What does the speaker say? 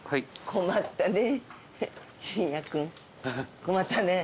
困ったね。